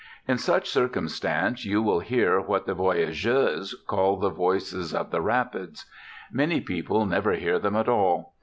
In such circumstance you will hear what the voyageurs call the voices of the rapids. Many people never hear them at all.